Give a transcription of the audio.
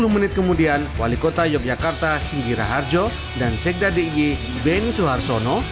tiga puluh menit kemudian wali kota yogyakarta singgira harjo dan sekda diy ben suharsono